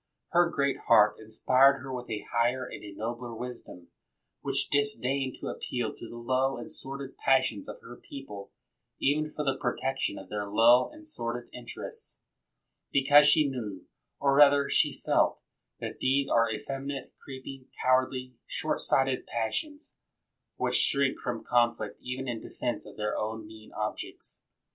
Her great heart inspired her with a higher and a nobler wisdom, which disdained to appeal to the low and sordid passions of her people even for the protection of their low and sordid inter ests, because she knew, or rather, she felt, that these are effeminate, creeping, cowardly, short sighted passions, which shrink from conflict even in defense of their own mean objects.